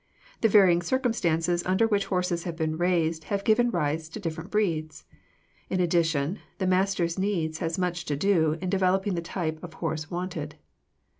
The varying circumstances under which horses have been raised have given rise to the different breeds. In addition, the masters' needs had much to do in developing the type of horses wanted.